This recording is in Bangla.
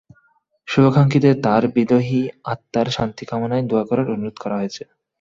শুভাকাঙ্ক্ষীদের তাঁর বিদেহী আত্মার শান্তি কামনায় দোয়া করার অনুরোধ করা হয়েছে।